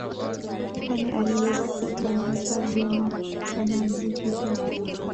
Kwani aliweza kuutambulisha vema sana mziki huu